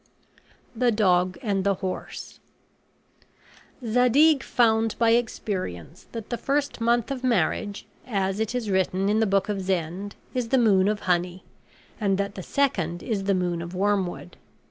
THE DOG AND THE HORSE Zadig found by experience that the first month of marriage, as it is written in the book of Zend, is the moon of honey, and that the second is the moon of wormwood.